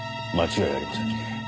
間違いありませんね。